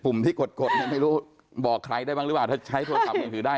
ที่กดเนี่ยไม่รู้บอกใครได้บ้างหรือเปล่าถ้าใช้โทรศัพท์มือถือได้